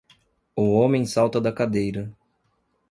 O homem salta da cadeira.